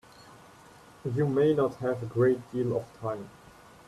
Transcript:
You may not have a great deal of time.